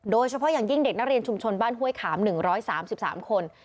โดยเฉพาะอย่างยิ่งเด็กนักเรียนชุมชนบ้านห้วยขาม๑๓๓คน